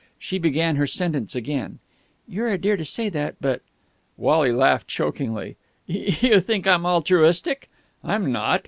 She began her sentence again. "You're a dear to say that, but...." Wally laughed chokingly. "You think I'm altruistic? I'm not.